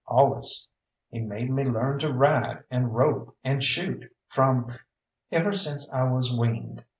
"Allus. He made me learn to ride, and rope, and shoot, from ever since I was weaned.